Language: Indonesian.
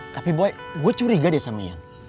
tapi boy gue curiga deh sama ya